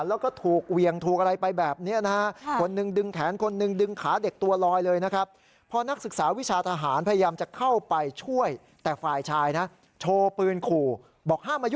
แล้วก็ถูกเวียงถูกอะไรไปแบบนี้นะฮะ